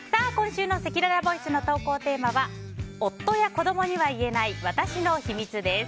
今週のせきららボイスの投稿テーマは夫や子供には言えない私の秘密です。